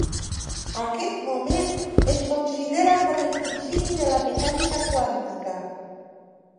Aquest moment es considera com el principi de la Mecànica quàntica.